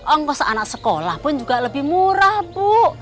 ongkos anak sekolah pun juga lebih murah bu